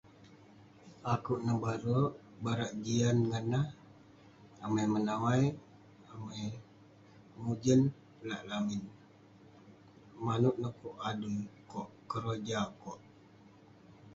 Akouk nebare, barak jian ngan nah. Amai menawai, amai mujen lak lamin. Manouk neh kok adui kok, keroja kok.